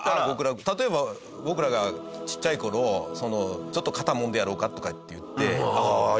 例えば僕らがちっちゃい頃「ちょっと肩もんでやろうか」とかって言って「ああいいね」。